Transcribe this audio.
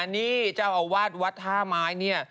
นี่เจ้าเอาลัดวัดห้าไม้